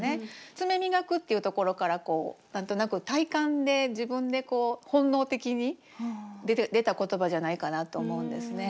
「爪磨く」っていうところからこう何となく体感で自分で本能的に出た言葉じゃないかなと思うんですね。